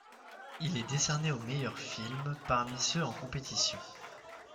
Il est décerné au meilleur film parmi ceux en compétition.